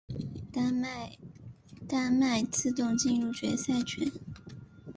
丹麦自动进入决赛圈。